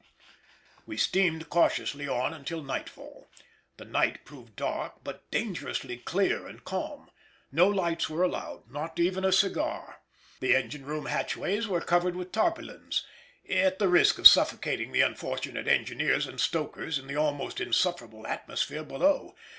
We steamed cautiously on until nightfall: the night proved dark, but dangerously clear and calm. No lights were allowed—not even a cigar; the engine room hatchways were covered with tarpaulins, at the risk of suffocating the unfortunate engineers and stokers in the almost insufferable atmosphere below.